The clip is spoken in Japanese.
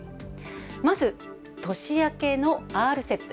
まず、年明けのＲＣＥＰ。